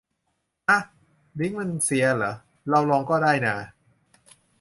อ๊ะ ลิงก์มันเสียเหรอ เราลองก็ได้นา